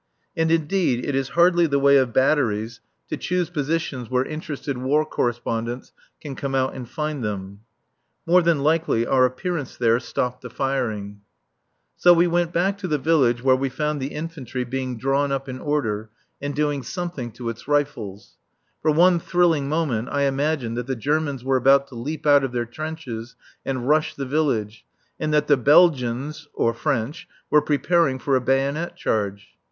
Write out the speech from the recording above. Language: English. And indeed it is hardly the way of batteries to choose positions where interested War Correspondents can come out and find them. So we went back to the village, where we found the infantry being drawn up in order and doing something to its rifles. For one thrilling moment I imagined that the Germans were about to leap out of their trenches and rush the village, and that the Belgians [? French] were preparing for a bayonet charge.